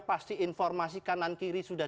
pasti informasi kanan kiri sudah